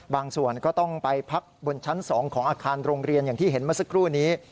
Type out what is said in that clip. ส่วนก็ต้องไปพักบนชั้น๒ของอาคารโรงเรียนอย่างที่เห็นเมื่อสักครู่นี้